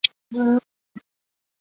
现为西城区普查登记文物。